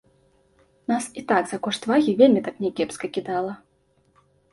Нас і так за кошт вагі вельмі так някепска кідала.